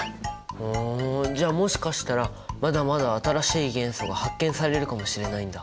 ふんじゃあもしかしたらまだまだ新しい元素が発見されるかもしれないんだ。